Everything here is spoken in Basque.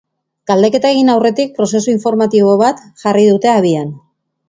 Galdeketa egin aurretik, prozesu informatibo bat jarri dute abian.